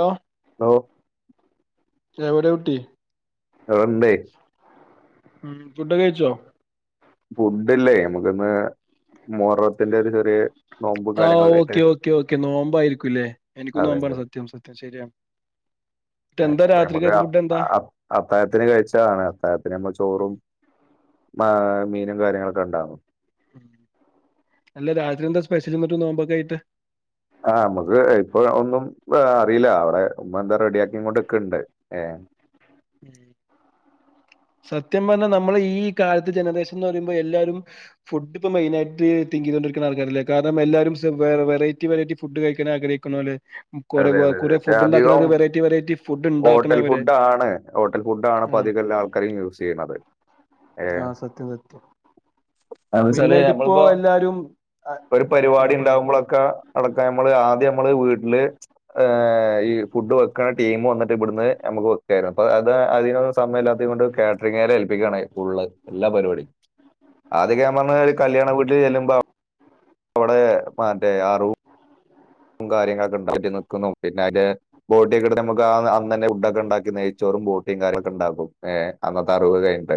Hello hello എവിടെ കുട്ടി എവിടേണ്ട് ഉം ഫുഡ് ഒക്കെ കഴിച്ചോ ഫുഡ്ല്ലേ നമുക്കിന്ന് മുഹറത്തിന്റെ ഒരു ചെറിയ നോ ആ ഓക്കെ ഓക്കേ ഓക്കെ നോമ്പ ആരിക്കുംല്ലേ എനിക്കും അതെ നോമ്പാണ് അതെ സത്യം സത്യം ശരിയാ [inaudible] നമ്മുക്ക് എന്താ അത്‌ അത്തായത്തിന് കഴിച്ചതാണ് അത്തായത്തിന് നമ്മ ചോറും മെ മീനും കാര്യങ്ങളൊക്കെ ഉണ്ടാകും അല്ല രാത്രി എന്താ സ്പെഷ്യലി മറ്റും നോമ്പോക്കെ ആയിട്ട് ആ നമക്ക് ഇപ്പൊ ഒന്നും അറിയില്ല അവിടെ ഉമ്മ എന്താ റെഡിയ ആക്കിങ്ങോണ്ട് നിക്ക്ണ്ട് ഏ ഉ ഉം സത്യം പറഞ്ഞാൽ നമ്മൾ ഈ കാലത്ത് ജനറേഷൻ എന്ന് പറയുമ്പോൾ എല്ലാവരും ഫുഡ് ഇപ്പോ മെയിനായിട്ട് ീൊണ്ടരിക്കുന്ന ആൾക്കാല്ല കാരണം എല്ലാരും വെററ്റി വെറൈറ്റി ഫുഡ് കഴിക്കാൻ ആഗ്രിക്ണ പോലെ അതെ അതെ അതെ പക്ഷെ അധികം വെറൈറ്റി ഫുഡ് ഹോട്ടൽ ഉണ്ടാക്കണവര് ഫുഡ ആണ് ഹോട്ടൽ ഫുഡ്ാണ്പ്പ ആഹ് ഇതെല്ലാ ആൾക്കാരെയും യൂസ് ചെയ്യ്ണത് ആഹ് സത്യം സത്യം അഎന്തച്ചാല് മെയിനായിട്ട് ഇപ്പോ ഞമ്മളിപ്പോ എല്ലാരും ഒരു ആഹ് പരിപാടി പറയൂ ണ്ടാഉമ്പളൊക്കെ അതൊക്കെ അമ്മള് ആദ്യം മ്മള് വീട്ടില് ആഹ് ഈ ഫുഡ് വെക്കണ ടീം വന്ന്ട്ട് ബെടുന്ന് നമുക്ക് വെക്കായിരുന്നു. പ്പ അത് അതിനൊന്നും സയംല്ലാത്തയ് ത്തോണ്ട് കേറ്ററിങ്ങാരെ ഏൽപ്പിക്കാണ് ഫുള്ള് എല്ലാ പരിപാടി ആദ്യൊക്കെ യാം പഞാരി സത്യം കല്യാണ വീട്ടിൽ ചെല്ലുമ്പോ പൊവടെ മറ്റേ ആറു റും കാര്യങ്ങളൊക്കെ ണ്ടോ [inaudible] നിക്കുന്നു പിന്നെ അയ്ന്റെ ബോട്ട്യോക്കെട് മക്ക് ആന്ന് അന്നന്നെ ഉഡൊക്കെ ഉണ്ടാക്കി നയിച്ചോ പളും ബോട്ടിം കാര്യങ്ങളൊക്കെ ണ്ടാകും ഏഹ് അന്നത്തെ അറവ് കയ്ൻട്ട്.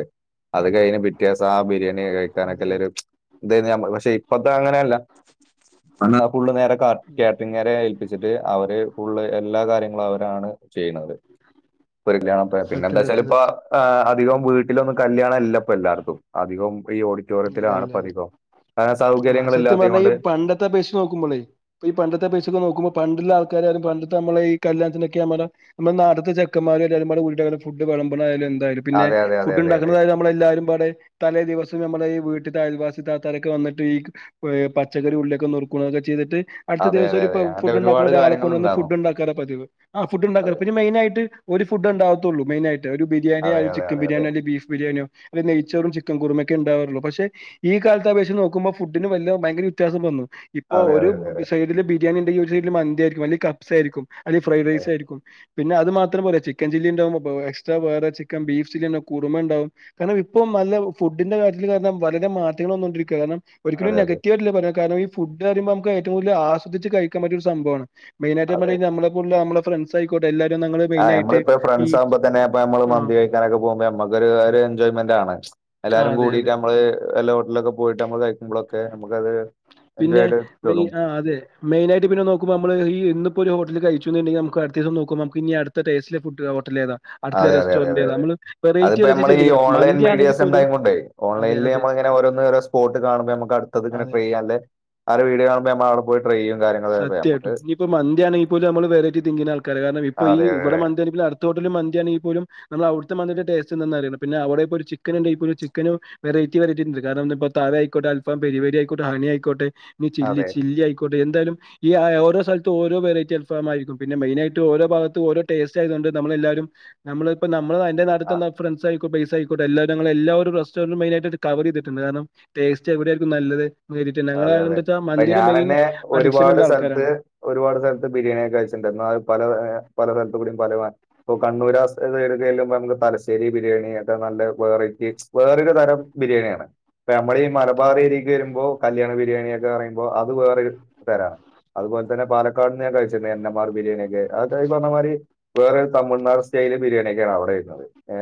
അത് കയ്ഞ് ബിറ്റ്യേസാ ബിരിയാണ്യോകെ അതെ അതെ ക്കാനൊക്കെല്ലേര് ദേയ്ഞ് യമ്മ പക്ഷെ ഇപ്പത്തെ അങ്ങനെല്ല [unintelligible] ഉം കാറ്ററിംഗരെ ഏല്പ്പിച്ചിട്ട് അവര് ഫുള്ള് എല്ലാ കാര്യങ്ങളും അവരാണ് ചെയ്യുന്നത്. ഒരു ല്യാൻ പെ പിന്നെ സത്യം എന്താച്ചാല് സത്യം പ്പ സത്യം ആഹ് അ അധികം വീട്ടിലൊന്നും കല്യാണം ഇല്ല പ്പ എല്ലാവർക്കും അധികും പ് ഈ ഇല്ല ഇല്ല ഓഡിറ്റോറിയത്തിലാണ് ഇല്ല പധികം ആഹ് ആഹ് സത്യം സൗകര്യങ്ങളില്ലാത്തയ് നോണ്ട് പ ഈ പണ്ടത്തെ പേസൊക്കെ നോക്കുമ്പോ പണ്ടുള്ള ആൾക്കാര് റി പണ്ടത്തെ നമ്മളെ ഈ കല്യാണത്തിനൊക്കെ നമ്മ നമ്മ നാട്ട്ത്തെ ചെക്കൻമാ ്അവര് എല്ലാരും പാടെ കൂടീട്ടാണ് ഫുഡ് വെളമ്പ്ണേലം തായാലു പിന്നെ അതെ അതെ അതെ ഫുഡ് അതെ അതെ ഉണ്ടാക്കണ്ടതായാല് നമ്മള എല്ലാരും പാടെ തലേ ദിവസ് നമ്മുടെ ഈ വീട്ട്ത്തെ അയൽവാസി തത്താരൊക്കെ വന്നിട്ട് ഈ ക് വേ പച്ചക്കറി ഉള്ളിയോക്കെ നറുക്കുണോക്കെ ചെയ്തിട്ട് അടുത്ത അതെ ദിവസം അതെ ഒരു അതെ ഫൊ അങ്ങനത്തെ ഫുഡ് ണ്ടാക്കുന്ന ഒരുപാട് ഒരാളെ കാര്യങ്ങൾ കൊണ്ടൊന്ന് ഉണ്ടായിരുന്നു ഫുഡ്ണ്ടാക്കാത പതിവ്. ആഹ് ഫുഡ് അതെ ഉണ്ടാക്കാണ് പിന്നെ ഞ് മെയിൻ ആയിട്ട് ഒരു ഫുഡ് ഉണ്ടാവത്തുള്ളൂ മെയിനായിട്ട് ഒരു അതെ ബിരിയാണിയാല് അതെ ചിക്ക അതെ അതെ ബിരിണി അല്ലെ ബീഫ്‌ ബിരിയാണിയോ ല്ലെ നെയ്ച്ചോറും ചിക്കൻകുറുമെക്കെണ്ടാവാറുള്ളു. പക്ഷെ ഈ കാലത്ത് അപേക്ഷ്ച് നോകുമ്പോ ഫുഡ്ന് വല്യ ഭയങ്ക വ്യത്യാസം വന്നു. ഇപ്പൊ അതെ ഒരു അതെ അതെ സൈഡില് ബിരിയാണി ണ്ടെങ്കി ഒരു സൈഡില് മന്തി ആയിരിക്കും. അല്ലെ കപ്സ ആയിരിക്കും അല്ലെ ഫ്രൈഡ് റൈസ് അതെ ആയിരിക്കും. പിന്നെ അത് മാത്രം പോര ചിക്കൻ ചില്ലി ണ്ടാവുമ്പം ബേസ്റ്റാ വേറെ ചിക്കൻ ബീഫ് ചില്ലി ണ്ടാവും കുറുമ ണ്ടാവും കാരണം ഇപ്പം നല്ല ഫുഡിന്റെ കാര്യത്തി കാരണം വളരെ മാറ്റങ്ങള് വന്നോണ്ടിരിക്ക കാരണം ഒരിക്കലും അതെ അതെ നെഗറ്റീവായിട്ടില്ല പറയാൻ കാരണം ഈ പ ഫുഡ് പറിമ്പം നമക്ക് ഏറ്റവും വെല്ല്യാ സ്വദിച്ച് കഴിക്കാൻ പറ്റിയൊരു സംഭവാണ് മെയിനായിട്ട് പർഞ്ഞാല് ഞമ്മളെ പോലുള്ള അമ്മളെ ഫ്രണ്ട്സായിക്കോ ആഹ് നമ്മളിപ്പോ ഫ്രണ്ട്സാവുമ്പ തന്നെ അപ്പ അമ്മള് ആഹ് മന്തി കഴിക്കാനൊക്കെ പോവുമ്പോ നമ്മക്കൊരു ഒരെൻജോയ്മെൻ്റാണ്. എല്ലാരും ആഹ് അതെ അതെ. കൂടിയിട്ട് അമ്മള് നല്ല ഹോട്ടല് ലൊക്കെ പോയിട്ട് അമ്മള് കഴിക്കുമ്പോളൊക്കെ നമ്മക്കത് പിന്നെ ബെല് ആ തെ മെയിനായിട്ട് പിന്നെ നോക്കുമ്പോ അമ്മള് ഈ ഒന്നും ഇപ്പൊരു ഹോട്ടില്‌ല് കഴിച്ചുന്നുണ്ടെങ്കി നമുക്കട്ത്തീസം നോക്കുമ്പം നമക്ക് ഞ് അട്ത്തെ ടേസ്റ്റ്ള്ളെ ഫുഡ് ള്ളെ ഹോട്ടലേതാ അടുത്ത അതെ യതെ യതെ റെസ്റ്റോറന്റ് യതെ ഏതാ? യതെ നമ്മള് വെറൈറ്റി അത്പ്പ വെറൈറ്റി നമ്മള് ഈ ചിന്തിക്കണം. ഓൺലൈൻ മന്തിയാണെങ്കിൽ മീഡിയസ് പോലും ണ്ടായ കൊണ്ടേ അതെ ഓൺലൈല് അതെ അമ്മളെ ഓരോ ന്നോരോ സ്പോട്ട് കാണുമ്പോ നമക്കട്ത്തത് ങ്ങനെ അതെ. ചെയ്യാല്ലെ കാര്യങ്ങളൊക്കെ നമുക്ക് സത്യായിട്ടും നിയിപ്പോ മന്ത്യാണെങ്കി പോലും അമ്മള് വെറൈറ്റി തിന്നീന്യാൾക്കാര [unintelligible] ഇപ്പൊ ഈ അതെ ഇവടെ മന്ത്യാണങ്കി പിന്നെ അട്ത്തെ ഹോട്ടല് മന്ത്യാണ് ഈ പോലും നമ്മളട്ത്തെ മന്തിൻ്റെ ടേസ്റ്റ് ന്ന്ന്നറിന്നെ പിന്നെ അവടെ പ്പൊര് ചിക്കന്ണ്ടെപൊര് ചിക്കനും വെറൈറ്റി വെറ്റൈറ്റി ണ്ട് കാരണം ഇന്ന് പ്പൊ തറയ് ക്കോട്ടെ അൽഫാം പെരി പെര്യയ്ക്കോട്ടെ ഹണ്യയ്ക്കോട്ടെ ഇനി ചില്ലി അതെ ചില്ല്യ യ്ക്കോട്ടെ എന്തായാലും ഈ ഏഹ് ഓരോ സ്ഥല്ത്ത് ഓരോ വെറൈറ്റി അൽഫാമായിരിക്കും പിന്നെ മെയ്നായിട്ട് ഓരോ ഭാഗത്ത് ഓരോ ടേസ്റ്റായതൊണ്ട് നമ്മളെല്ലാരും നമ്മള് പൊ നമ്മള് എന്റെ നാട്ടിതന്നെ ഫ്രണ്ട്സയി ക്കു പൈസയ്ക്കോട്ടെ എല്ലാരു ങ്ങള എല്ലാവരും റസ്റ്റോറൻ്റ് മെയ്നായിട്ട് ഇത് കവറൈത്ട്ട്ണ്ട് കാരണം ടേസ്റ്റ് എവടായിരിക്കും നല്ലത് നേരിട്ട് ഞങ്ങള് അതെ യതെ എന്താ വെച്ചാ പ്പ മന്തിയുടെ മെയിൻ ഞാനെന്നെ അഡിക്ഷൻ ഒരുപാട് ഉള്ള സ്ഥല്ത്ത് ആൾക്കാരാണ് ഒരുപാട് സ്ഥല്ത്ത് ബിരിയാണി കഴിച്ചിണ്ടെന്നാ അത് പല എഹ് എഹ് പല സ്ഥല് ത്തൂടിം പല [unintelligible] പ്പ കണ്ണൂർ ആ സ്ഥലം എവ്ടെക്കെള്ളെ [unintelligible] അമ്മക്ക് തലശ്ശേരി ബിരിയാണി ഏതാ നല്ലെ വെറൈറ്റി വേറൊരു തരം ബിരിയാണ്യാണ് പ്പ നമ്മൾ ഈ മലബാറേര്യേക്ക് വെരുമ്പോ കല്യാണ ബിരിയാണിക്കെ പറയുമ്പോ അത് വേറൊരു തരാ അതുപോലെ തന്നെ പാലക്കാട്ന്ന് ഞാൻ കഴിച്ചിട്ട്ണ്ട് എൻ എം ആർ ബിരിയാണിയൊക്കെ ആ ടൈപ്പ് പറഞ്ഞമാതിരി വേറൊരു തമിഴ്നാട് സ്റ്റൈല് ബിരിയാണിയൊക്കെയാണ് അവിടെയിള്ളത് ഏ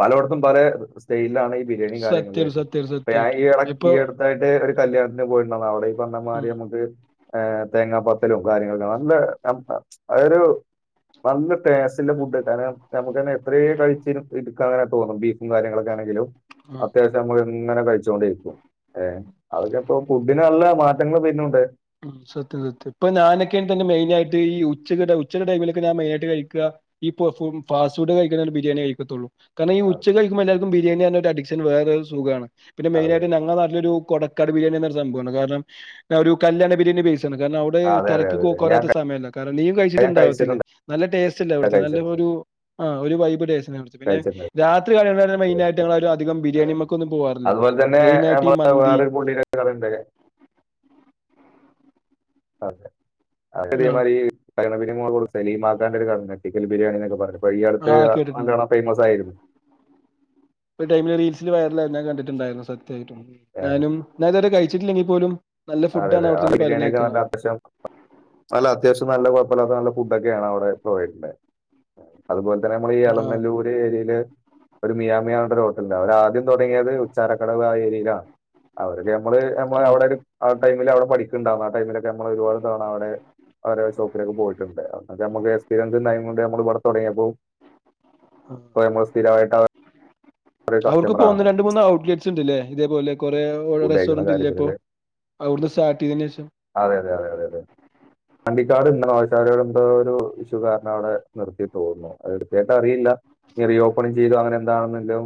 പലോടത്തും പല സ്റ്റെയിലിലാണ് ഈ ബിരിയാണിയും കാര്യങ്ങൾ സത്യം വരണത് സത്യം അപ്പ ഞാൻ സത്യായിട്ടും ഈയെടെ ഇപ്പൊ ഈ അടുത്തായി ട്ട് ഒരു കല്യാണത്തിന് പോയിട്ടുണ്ടാർന്നു അവിടെ ഈപറഞ്ഞ മാതിരി ഉം നമുക്ക് ഏ തേങ്ങാ പത്തലും കാര്യങ്ങളൊക്കെ നല്ല അം അ അതൊരു നല്ല ടേസ്റ്റിന്റെ ഫുഡ് കാരണം നമുക്ക് തന്നെ എത്രേ കഴിച്ചിരു ഇടുക്കാൻ അങ്ങനെ തോന്നും ബീഫും കാര്യങ്ങളൊക്കെ ആണെങ്കിലും ആ അത്യാവശ്യം നമ്മുക്ക് ഇങ്ങനെ കഴിച്ചു കൊണ്ടെരിക്കും ഏ അതൊക്കെ ഇപ്പോ ഫുഡിന് നല്ല മാറ്റങ്ങൾ പിന്നുണ്ട് മ് സത്യം സത്യം ഇപ്പ ഞാനൊക്കെ തന്നെ മെയിനായിട്ട് ഈ ഉച്ചക്കടെ ഉച്ചക്കടെ ടൈമിലക്കെ ഞാൻ മെയിനായിട്ട് കഴിക്ക ഈ പഫും ഫാസ്റ്റ് ഫുഡ് ഞാൻ കഴിക്കുന്നേല് ബിരിയാണി കഴിക്ക ത്തൊള്ളൂ കാരണംഈ ഉച്ചക്ക് കഴിക്കുമ്പോൾ എല്ലാവർക്കും ബരിയാണി റഞ്ഞ ഒരു അഡിക്ഷൻ വേറെ ഒരു സുഖാണ് പിന്നെ അതെ മെയിനായിട്ട് ഞങ്ങളെ നാട്ടിലൊരു കൊടക്കാട് ബിരിയാണി എന്നൊരു സംഭവ ഒണ്ട് കാരണം ഒരു കല്യാണ ബിരിണി ബെയ്സ് ട്ടണ് കാരണം അവിടെ അതെ അതെ തെരക്ക് അതെ അതെ. ഞാൻ കോക്കോരാത്ത സമയല്ല കാരലീം കഴി- ഞാൻ കഴിച്ചിട്ടുണ്ടാവത്തില്ല കഴിച്ചിട്ടുണ്ട് നല്ല ടേസ്റ്റ്ല്ലെ അവിടുത്തെ നല്ല കഴിച്ചിട്ടുണ്ട് ഒരു പോ ആ ഒരു വൈബ് ടേസ്റ്റ് ഞാൻ പിടിച്ചു പിന്നെ കഴിച്ചിട്ടുണ്ട് രാത്രി കാല ഒള്ളത് മെയിനായിട്ട് ഒരു അധികം ബിരിയാണി മ്മുക്കൊന്നും ബോ അതുപോലെ തന്നെ നമ്മളെ വേറൊരു പുതിയ കടേണ്ടാക്കേ അതെ [unintelligible] ആ ഇതാണ്ടൊരു കാലം ഞെട്ടിക്കൽ ബിരിയാണി എന്നൊക്കെ പറഞ്ഞു പ്പം ഈ അടുത്ത് ആ കേട്ടിട്ടുണ്ട് നല്ലോണം ഫേമസ് ആയിരുന്നു ഈടൈമില് റീൽസില് വയറലായി ഞാൻ കണ്ടിട്ടുണ്ടായിരുന്നു സത്യായിട്ടും ഏഹ് ഞാനും ഞാനിത്വരെ കഴിച്ചിട്ടില്ലെങ്കിൽ പോലും നല്ല അതെ ഫുഡാണ് അതെ ആ അവിടുത്തെന്ന് ബിരിയാണിയൊക്കെ പറയണേക്കാ ആണല്ലോ അപ്പശം നല്ല അത്യാവശ്യം നല്ല കൊഴപ്പല്ലാത്ത നല്ല ഫുഡ്ക്കെയാണ് അവിടെ പ്രൊവൈഡ്ണ്ടായെ അതുപോലെ ഇത്രേംനമ്മളി ആഹ് എളനല്ലൂര് ഏരിയയില് ഒരു മിയാമിയാണ്ടൊരു ഹോട്ടല് ഞങ്ങളാദ്യം തൊടങ്ങിയത് ഉച്ചാരക്കടവ് ആ ഏരിയയിലാണ് അവരോട് നമ്മള് നമ്മളെ ആഹ് അവിടെ ഒരു ആ ടൈമിൽ അവിടെ പഠിക്കുന്നുണ്ടാർന്നു ആ ടൈമിലൊക്കെ നമ്മൾ ഒരുപാട് തവണ അവിടെ അവരെ ഷോപ്പിലൊക്കെ പോയിട്ടുണ്ട് അതൊക്കെ നമുക്ക് എക്സ്പീരിയൻസ്ണ്ടായ കൊണ്ട് നമ്മൾ ഇവിടെ തൊടങ്ങിയപ്പോ പൊഴ മത്തി രായിട്ട അവർക്ക് ഇപ്പോ ഒന്ന് രണ്ട് മൂന്ന് ഔട്ട്ലെറ്റ്സ്ണ്ട്ല്ലേ ഇതേപോലെ കൊ വെ ഓലെ ഫുഡ് കഴിക്കുന്ന റെസ്റ്റോറന്റ് ഇല്ലേ ഇപ്പൊ കാര്യത്തിലൊക്കെ അവിടുന്ന് സ്റ്റാർട്ട് ചെയ്തേനേഷം യതെ വണ്ടിക്കാട് ഇന്നലെ ആൾക്കാരോടെന്തോ ഒരു ഇഷ്യൂ കാരണം അവിടെ നിർത്തി തോന്നുന്നു അത് കൃത്യായിട്ടറിയില്ല നി റീഓപ്പണിങ് ചെയ്തോ അങ്ങനെന്താണല്ലോ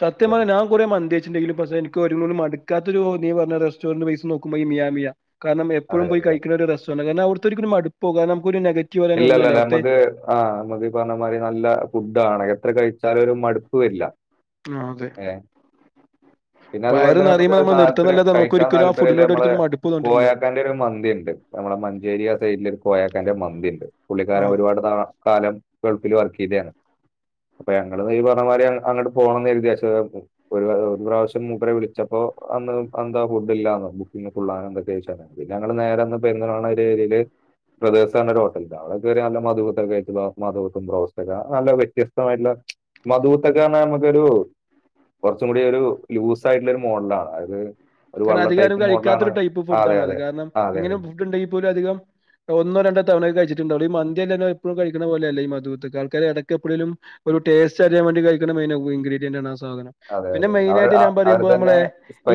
സത്യമായി ഞാ കൊറെ മന്തിഴി ച്ചിണ്ടെങ്കിലും പഷെ എനിക്കൊരു നുള്ള് മടുക്കാത്ത ഒരു നീ പറഞ്ഞ റസ്റ്റോറന്റ് ബേയ്സ് നോക്കുമ്പോ ഈ മിയമിയ കാരണം എപ്പോഴും അതെ പോയി അതെ കഴിക്കണ ഒരു റെസ്റ്റോറന്റാ കാരണം അവിടുത്തെ ഒരിക്കലും ഒരു മടുപ്പോ കാരണം നമുക്കൊരു നെഗറ്റീവ് പറയാൻ ഒന്നുമില്ല ഇല്ലല്ലല്ല അവിടുത്തെ നമ്മുക്ക് ആ നമുക്ക് ഈ പറഞ്ഞമാതിരി നല്ല ഫുഡാണ് എത്ര കഴി ച്ചാലൊരു മടുപ്പു വരില്ല ആ അതെ ഏഹ് പിന്നെ അതുപോലെ വയറ് തന്നെ മ്മുക്ക് നിറയുമ്പോ നമ്മൾ താല്പര്യം നിർത്തുന്നല്ലാതെ നമുക്ക് കഴിക്കാൻ ഒരിക്കലും ആ താല്പര്യല്ലെ ഫുഡിനോട് മ്മളെ ഒരിക്കലും മടുപ്പ് തോന്നിട്ടില്ല കോയാക്കാന്റെ ഒരു മന്തി ഇണ്ട് നമ്മളെ മഞ്ചേരിയാസൈഡിൽ കോയാക്കാന്റെ മന്തി ഇണ്ട് പുള്ളിക്കാരൻ ഒരുപാട് നാ കാലം ഗൾഫില് വർക്കെയ്തെയാ അപ്പൊ ഞങ്ങള് ഈ പറഞ്ഞമാതിരി അ അങ്ങട്ട് പോണന്ന് കരുതിയാഷെ പിള്ളെ പ്രാവശ്യം മൂപ്പരെ വിളിച്ചപ്പോ അന്ന് എന്താ ഫുഡില്ല ഫുഡിന് ഫുള്ളാന്നെന്തൊക്കെ [unintelligible] പിന്നെ ഞങ്ങള് നേരെ അന്ന് പെട്ടെ ന്നാണ് ഒരു ഏരിയെല് ബ്രദേഴ്സ്റഞ്ഞ ഒരു ഹോട്ടല്ണ്ട് അവിടെ കേറി നല്ല മധുപത്തൊക്കെ കഴിച്ചപ്പം മധുപത്തും റോസ്റ്റോക്കെ നല്ല വ്യത്യസ്തമായിട്ടുള്ള ആഹ് മധുപത്തൊക്കെന്നറഞ്ഞ നമ്മുക്കൊരു കൊറച്ചും കൂടി ഒരു ലൂസായിട്ടുള്ളൊരു മോഡലാണ് അതായത് ഒരു കാരണം വള്ള അധികാരും ടൈപ്പ് മോഡലാണ് കഴിക്കാത്തൊരു ടൈപ്പ് ആ, അതെ ഫുഡാണത് അതെ കാരണം ആ, അതെ ഇങ്ങനെ അതെ ഫുഡുണ്ടെങ്കിൽ പോലും അധികം ഒന്നോ രണ്ടോ തവണ ഒക്കെ കഴിച്ചിട്ടുണ്ടാവൂ ഈ മന്തിയല്ലല്ലോ എപ്പഴും കഴിക്കണ പോലെയല്ല ഈ മധുപിത്ത് ആൾക്കാര് എടക്കെപ്പഴേലും ഒരു ടേസ്റ്റ് അറിയാൻ വേണ്ടി കഴിക്കുന്ന മെയിൻ ഉ ഇൻഗ്രിഡിയന്റാണ് ആ സാധനം അതെ പിന്നെ അതെ അവർ മെയിനായിയിട്ട് ഞാ അവർ പറിമ്പോ തന്നെ അമ്മളെ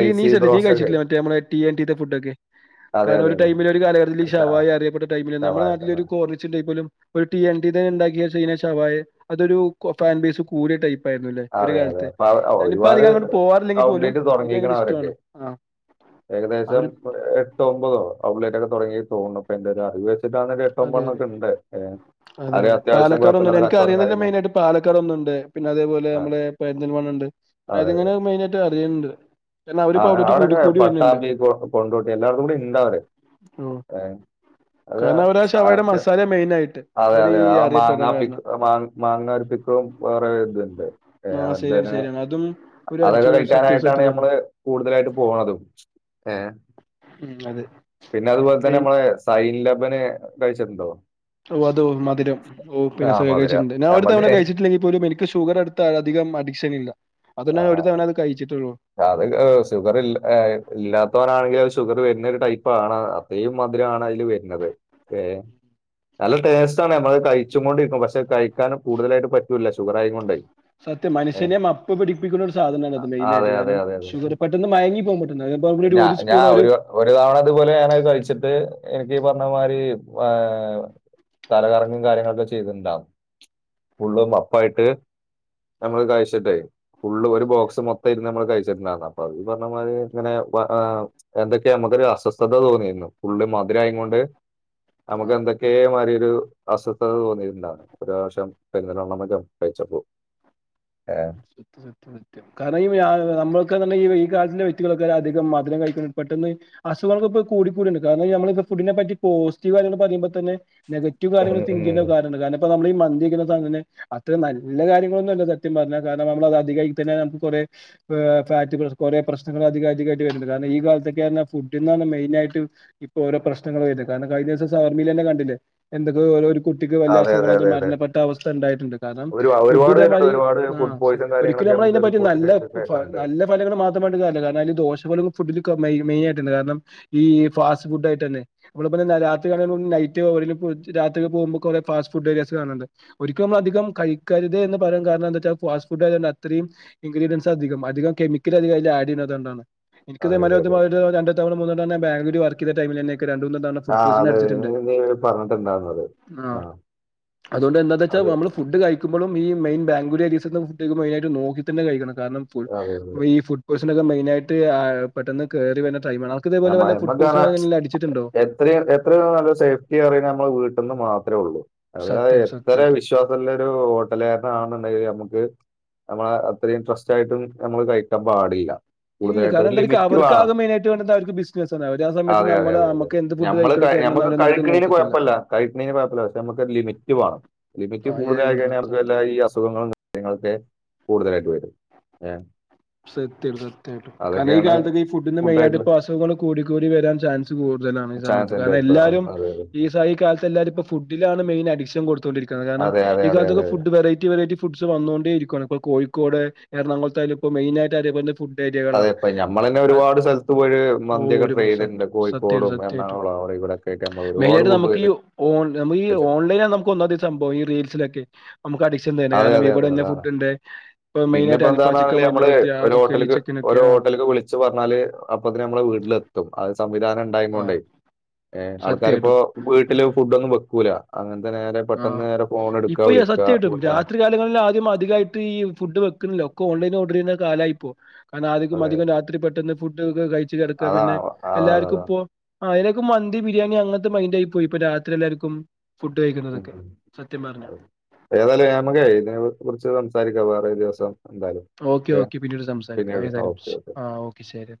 ഈ നീ ശ്രദ്ധിച്ചോ നീ ബ്രോസ്റ്റൊക്കെ കഴിച്ചിട്ടില്ലേ മറ്റേ നമ്മളെ ടീ എൻ ടീ ത്തെ ഫുഡൊക്കെ അതെ കാരണം അതെ ഒരു അതെ ടൈമിൽ ഒരു കലകട്ടതില് ഈ ശ- ആ, ഷവായ അറിയപ്പെട്ട ടൈമില് നമ്മളെ ശവായ നാട്ടിലൊരു ശവായ കോർവിച്ച് ടൈപ്പോലും ഒരു ടി എൻ ടീ ത്തോല്ണ്ടാക്യ ചൈന ശവായ അതൊരു കൊ ഫാൻ ബേസ് കൂടിയ ടൈപ്പായിരുന്നുല്ലെ ഒര് അതെ അതെ കാലത്ത് അപ്പൊ അവ- ഇപ്പ ഒരുപാട് അധികം അങ്ങോട്ട് പോവാറില്ലെങ്കിൽ പോലും ഔട്ട്ലെറ്റ് എനിക്ക് തുടങ്ങിയിരിക്കണം [unintelligible] അവരൊക്കെ ഇഷ്ട്ടാണ് ആഹ് ഏകദേശം എട്ടോ ഒമ്പതോ ഔട്ട്ലെറ്റ് ഒക്കെ തുടങ്ങിയെന്ന് തോന്നുന്നു ഇപ്പോ എന്റെ ഒരു അറിവ് ിതര് എഏട്ടോ അതെ അതെ പണ്ണൊക്കെ ഉണ്ട് അതെ അത് അതെ അത്യാവശ്യം പാലക്കാൊന്നുംുണ്ട് കുഴപ്പമില്ലാത്ത എനക്ക് കച്ചവടം അറിയുന്നില്ല കാര്യങ്ങളും മെയിന ആയിട്ട് പാലക്കാർ ഒന്നുണ്ട് പിന്നെെ പോലെ ആ, നമ്മ പണ്ട് പിന്നെ അതെ അതെ. അതിങ്ങനെ മെയിൻായിയിട്ട് അറിയണ്ട് ആ അവിടെൊക്കെ പട്ടാമ്പി കൊണ്ടോട്ടി എല്ലാർത്തും കൂടി ഇന്ത അവര് ഉം. അത കാരണം അവരാ ഷവായിയുടെ അക്കെ മസാല മെയിനായിട്ട് അതെ അവര് അതെ ഈ ആ അറിയപ്പെടാൻ മാങ്ങ കാരണം മാ മാങ്ങ ഒരു പിക്കും വേറെ ആ അവ ശരിയാണ് ശരിയാണ് അതും ഒരു അതൊക്കെ അടിച്ചുപൊളി സത്യം കഴിക്കാനായിട്ടാണ് സത്യം തന്നെ നമ്മള് കൂടുതലായിട്ട് പോതും ഉം അതെ പിന്നെതുപോലെ തന്നെ മെയിൻ നമ്മ അൻ ലബന കഴിച്ചിട്ടുണ്ടോ ഓ അോ മധുര ഓ പിന്നെ ആ സഖം മധുര കിച്ചിട്ടു ഞൻ ഒരു നമുക്ക് തവണ കഴിച്ചിട്ടില്ലെങ്കിൽ പോലും എനിക്ക് ഷുഗർടുത്ത അധികം അഡിക്ഷൻ ഇല്ല അതൊ ഞാൻ ആ ഒരു തവണ അത് കഴിച്ചിട്ടുള്ളൂ അത് ഷുഗർ ഇല്ലാത്തവനാണെങ്കിൽ അത് ഷുഗർ വരുന്ന ഒരു ടൈപ്പ് ആണ് അത്രയും മധുരമാണ് ആ അതിൽ വരുന്നത് ഏ നല്ല ടേസ്റ്റ് ആാണ് നമ്മള് കഴിച്ച കൊൊണ്ടിരിക്കും പക്ഷെ കഴിക്കാൻ കൂടുതലായിട്ട് പറ്റൂില്ല ഷുഗർ ആയ കൊൊണ്ടായി സത്യംനു്യെ അപ്പുഠടിപ്പിക്കുന്ന ഒരു സാധനമാണ് അത് മെയിനായിട്ട് അതെ, കയണം അതെ അതെ അതഞ ഒരു ഒരു ഞാ സ്പൂൺ ഒരു ഒരു തവണതുപോലെ ഞാന കഴിച്ചിട്ട് എനിക്ക്ീ പറഞ്ഞമാതിരി ഏഹ തലകറങ്ങും കാര്യങ്ങളൊക്കെ ചെയ്തിണ്ടാവ ഉള്ളും അപ്പായിട്ട് ആ നമ്മള് കഴിച്ചിട്ടെ ഫുള് ഒരു അതെ ബോക്സ് മൊത്തം ഇരുന്ന് നമ്മള് കഴിച്ച അ പറഞ്ഞതി ഇങ്ങനെ എന്തൊ നമുക്കൊ ഒരു അസ്വസ്ഥത തോന്നിയിരുന്നു ഫുള്ള് മധുരായ കൊണ്ട് നമുക്ക് ആ എന്തൊക്കെയ മാതി ഒരു അസ്വസ്ഥത തോന്നിയിട്ടണ്ടാണ് ഒരു പ്രാവശ്യം പെരുന്നലോണ്ണംമറ്റം കഴിച്ചപ്പോ സ സത്യം സത്യം കാര നമ്മ ഈാലെ വ്യക്കളക്കെധികം മധുരംഴിക്ക പെട്ട അുഖങ്ങക്കെ കൂ കൂടിണ്ട് കാര നമ്മ ഫിനെ പറ്റി പോസിറ്റീവ് കാര്യൾ പറയുമ്പോ തന്ന നെഗറ്റീവ്ാര്യൾി ഉം, ഉം. നമ്മ അത്ര നല്ല കാര്യങ്ങളൊന്നുമല്ല സത്യം പറഞ്ഞാൽ കാരണം നമ്മളത് അധികമായി തന്നെ നമുക്ക് കുറെ ഫാറ്റ് കുറെേ പ്രശ്നങ്ങള അികധമായിട്ട് വരുന്നുണ്ട് കാരണം ഈ കാലത്ത് ൊ ഫുഡ്ാണ് മെയിൻ ആയിട്ട് ഇപ്പോ ഓരോ പ്രശ്നങ്ങളും വത് കാര കഴിഞ്ഞ ദിവസ സവർമീന്നെ കണ്ടേ എന്തൊ ഓരോ ഒരു കുട്ടിക്ക് വലിയ അതെ അതെ അസുഖങ്ങള അതെ അതെ മരണപ്പെട്ട അവസ്ഥ ഉണ്ടായിട്ടുണ്ട് കാരണം ഒരു ഫുഡ് ഒരുപാട് പേരുണ്ട് ഇതേമാതിരി ഒരുപാട് ആഹ ഫുഡ് പോയിസൺ ഒരിക്കും കാര്യങ്ങളൊക്കെ നമ്മള അതിനെ നമുക്ക് പറ്റി റിപ്പോർട്ട് നല്ല കേൾക്കാനുണ്ട് നല്ല ഫലങ്ങൾ മാത്രമായിട്ട്ല്ല കാരണം അ ദോഷഫലവും ഫുഡ മെയിൻ ആയിട്ടുണ്ട് കാരണം ഈ ഫാസ്റ്റ് ഫുഡ് ആയിട്ട് തന്നെ നമ്മ രാത്രി നൈറ്റ് രാത്രി പോകുമ്പോറെ ഫാസ്റ്റ് ഫുഡ് ഏരിുന്നുണ്ട് ഒരിക്കലും അധികം കഴിക്കരുത് എന്ന് പറയാൻ കാരണം എച്ചാൽ ഫാസ്റ്റ് ഫുഡ് ആയണ്ട് അത്രയും ഇൻ്രഡിയൻസ് അധികം അികം കെമിക്കൽ അ അതി ആഡ് ചെയ്യുന്നത്ുകണ്ടാണ് എനി അതെ അതെ അതെ രണ്ട തവണ മൂന്ന ബാങ്ക വർക്ക് ചെയ്ത ടമിൽെ രണ്ട മൂന്നാം തവണ ആ ഫുഡ് പോയിസൺ അതെ അതെ. അടിച്ചിട്ടുണ്ട് നീ നീ പറഞ്ഞിട്ടുണ്ടായിരുന്നത് ആ അതുകൊ എന്താ വെച്ചാ അത് നമ്മള് ഫുഡ് കഴിക്കുമ്പ ഈ മെൻ ബാംഗ്ല ഏുെ് നോക്കി തന്നെ കഴിക്ക കാരണംഈ അതെ അതെ െയിനായിട്ട് പെട്ടെന്ന് കയറി വട്ട ക്കാ അടിച്ചിട്ടുണ്ടോ? എത്രയും എത്ര നല്ല സേഫ്റ്റി അ നമ്മള് വീട്ട പന്ന് മാത്രമേ ഉള്ളൂ അതത് സത്യായിട്ടും എത്ര സത്യായിട്ടും വിശ്വാസമ ഒരു ഹോട്ടലോരന ആണുണ്ടെങ്കിൽ നമുക്ക് നമ്മള അത്രയും ഇൻട്രസ്റ്റ് ആയിട്ടും നമ്മള് കഴിക്കാൻ പാടില്ല ഇല്ല കൂടുതലായിട്ട് കാരണം ഒരു എന്തായിരിക്കും ലിമിറ്റ അവർക്ക് വേണം ആകെ മെയിനായിട്ട് വേണ്ടത് അവർക്ക് ബിസിനസാണ് അവര് ആ സമയത്ത് അതെ അതെ നമ്മള് അതെത നമുക്ക് എന്ത് ഫുഡ് നമ്മള് കഴിക്കണോ തരണോന്ന് നമ്മക്ക് അവരൊന്നായിരിക്കും കഴിക്കണന് നോക്കത്തില്ല കൊഴപ്പില്ല കഴണ പക്ഷെ നമുക്ക് ലിമിറ്റ് വേണം ലിമിറ്റ് ആഹ് ഏ കൂടുതലായി ഇവിടുന്ന് കഴിഞ്ഞാൽ സത്യം അവർല്ലാ ഈ അസുഖങ്ങളും ങ്ങൾക്കെ കൂടുതലായിട്ട് വരും ഏ സത്യം സത്യമായിട്ടും കാരണം ഈ അതൊക്കെയാണ് കാലറൈടി ഫുഡിന്റെ മെയിനായിയി ഫുഡായിട്ടുള്ള ൾ കൂടി കൂടി വരാൻ ചാൻസ് കൂടുതലാണ് ഈ സമയത്ത് ചാൻസ് എന്റെ കാരണം ഇപ്പൊ ആ, എല്ലാരും അതെ അതെ ഈസ കാലത്ത് എല്ലാരും ഇപ്പ ഫുഡിലാണ് മെയിൻ അഡിക്ഷൻ കൊടുത്ത് കാരണം അതെ അതെ അതെ അതെ ഇക്കാലത്തൊക്കെ ഫുഡ് വെറൈറ്റി വെൈറ്റി ഫുഡ്സ് വന്നുകൊണ്ടെ ഇരിക്കാണ് കോഴിക്കോട് എറണാകുളത്ത് അതിലിപ്പോ മെയിനായിട്ട് അതേപോലത്തെ ഫുഡ് അതെ ഏരിയകളാണ് ഇപ്പൊ നമ്മൾ തന്നെ അ ഒരുപാട് സ്ഥലത്ത് പോയി മന്തിയൊക്കെ ഒരു ട്രൈ ചെയ്തിട്ടുണ്ട് സത്യമായിട്ടും കോഴിക്കോടും സത്യമായിട്ടും എറണാകുളം അവിടെ ഇവിടെ ഒക്കെ ആയിട്ട് നമ്മൾ മെയിൻ ഒരുപാട് ആയിട്ട് ഫുഡ് നമുക്ക് ഈ ഓ നമുക്ക് ഈ കഴിച്ചിട്ടുണ്ട് ഓൺലൈൻ നമുക്ക് ഒന്നാ സംഭവം ഈ റീൽസിലൊക്കെ നമുക്ക് അഡിക്ഷൻ തരും അതെ കാരണം അതെ അതെ ഇവിടെന്നെ അതാണ് ഫുഡുണ്ട് പിന്നെ ഇപ്പൊ എന്താണാണ ഹോട്ടല ഓരോ ചിക്കൻ ഈ ഹോട്ടലിലേക്ക് ചിക്കനൊക്കെ ഓരോ ആ ഹോട്ടലിലേക്ക് വിളിച്ച് പറഞ്ഞാല് അപ്പ തന്നെ നമ്മടെ വീട്ടിൽ എത്തും അത് സംവിധാനം ആ ഉണ്ടായൊണ്ടേ ആൾക്കാരിപ്പോ സത്യായിട്ടും വീട്ടില് ഫുഡൊന്നും വയ്ക്കൂല ആ ഇപ്പൊ ഈ സത്യമായിട്ടും രാത്രികാലങ്ങളിൽ ആദ്യം അധികമായിട്ട് ഈ ഫുഡ് വെ ഓ ഒക്കെ ഓൺലൈൻ ഓർഡർ ചെയ്യുന്ന കാലായിപ്പോ കാരണം ആർക്കും അതെ അധികം രാത്രി പെട്ടെന്ന് ഫുഡ് ഒക്കെ കഴിച്ച് കിടക്കുക അതാണ് പിന്നെ അവ- അതാ അത എല്ലാവർക്കും അതാണ് ഇപ്പോ അതിന മന്തി ബിരിയാണി അങ്ങനത്തെ മൈൻഡ് ആയിപോയി ഇപ്പോ രാത്രി എല്ലാവർക്കും ഫുഡ് കഴിക്കണം ഉ ഏതായാലും ഞമക്ക് ഇതിനെ കുറിച്ച് സംസാരിക്കാം വേറെ ദിവസം ഓക്കെ ഓക്കെ പിന്നീട് സംസാരിക്കാം പിന്നീട് ഏതായാലും ഓക്കെ ഓക്കെ ആ ഓക്കെ ശരി